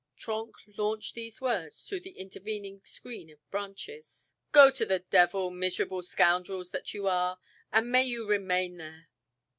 Trenck launched these words through the intervening screen of branches: "Go to the devil, miserable scoundrels that you are, and may you remain there!"